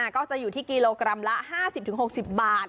ก็จะอยู่ที่กิโลกรัมละห้าสิบถึงหกสิบบาท